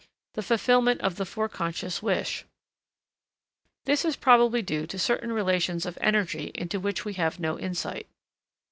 _ the fulfillment of the foreconscious wish. This is probably due to certain relations of energy into which we have no insight.